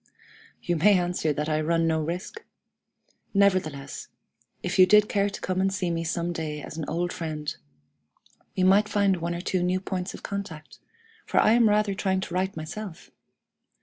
You may answer that I run no risk! Nevertheless, if you did care to come and see me some day as an old friend, we might find one or two new points of contact, for I am rather trying to write myself!